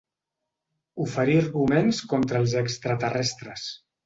Oferí arguments contra els extraterrestres.